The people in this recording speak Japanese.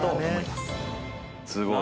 すごい。